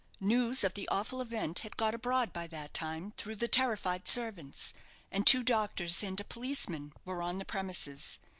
News of the awful event had got abroad by that time, through the terrified servants; and two doctors and a policeman were on the premises.